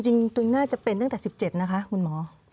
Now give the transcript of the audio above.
จริงตึงน่าจะเป็นตั้งแต่๑๗นะคะคุณหมอ